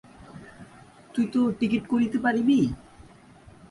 তুই তো টিকিট করিতে পারিবি?